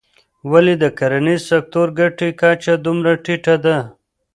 ولې د کرنیز سکتور ګټې کچه دومره ټیټه ده.